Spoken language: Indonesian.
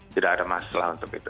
tidak ada masalah untuk itu